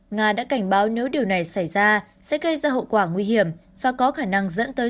nga đã cảnh báo nếu điều này xảy ra sẽ gây ra hậu quả nguy hiểm và có khả năng dẫn tới